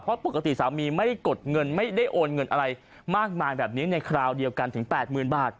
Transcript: เพราะปกติสามีไม่ได้กดเงินไม่ได้โอนเงินอะไรมากมายแบบนี้ในคราวเดียวกันถึง๘๐๐๐บาท